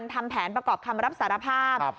ทำแผนประกอบคำรับสารภาพ